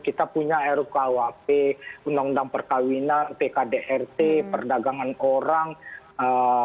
kita punya rukwp undang undang perkahwinan pkdrt perdagangan orang eee